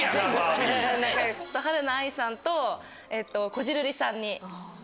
はるな愛さんとこじるりさんに。